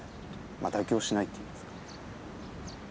まあ妥協しないっていうんですか。